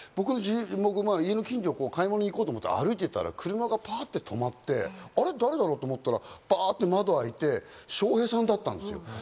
僕、家の近所に買い物に行こうと思って歩いてたら、パッと車が止まって、誰だろう？と思ったら窓が開いて、笑瓶さんだったんですよ。